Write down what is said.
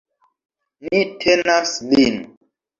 Ni tenas lin!